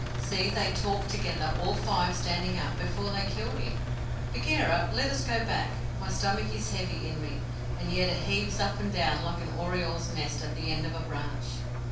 See, they talked together, all five, standing up, before they killed him. Bagheera, let us go back. My stomach is heavy in me, and yet it heaves up and down like an oriole's nest at the end of a branch."